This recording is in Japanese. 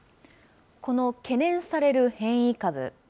この懸念される変異株。